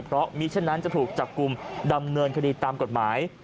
เพราะมิเช่นนั้นจะถูกจับกลุ่มดำเนินคดีตามกฎหมาย